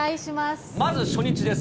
まず初日です。